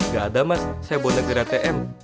gak ada mas saya bonek gara tm